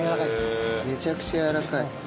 めちゃくちゃやわらかい。